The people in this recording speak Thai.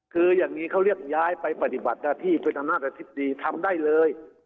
คืออย่างนี้เขาเรียกย้ายไปปฏิบัติหน้าที่เป็นอำนาจอธิบดีทำได้เลย